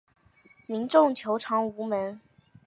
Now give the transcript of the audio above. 民众求偿无门